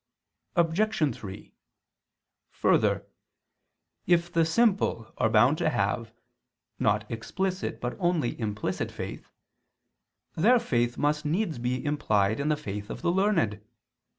Obj. 3: Further, if the simple are bound to have, not explicit but only implicit faith, their faith must needs be implied in the faith of the learned.